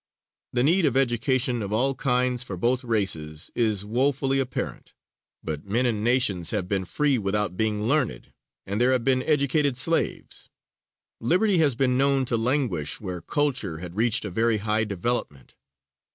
The need of education of all kinds for both races is wofully apparent. But men and nations have been free without being learned, and there have been educated slaves. Liberty has been known to languish where culture had reached a very high development.